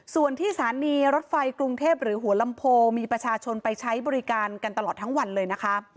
ส่วนที่สถานีรถไฟกรุงเทพหรือหัวลำโพมีประชาชนไปใช้บริการกันตลอดทั้งวันเลยนะคะ